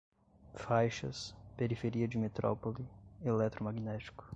faixas, periferia de metrópole, eletromagnético